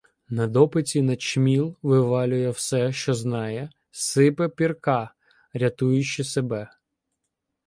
На допиті начміл вивалює все, що знає, "сипе" Пірка, рятуючи себе.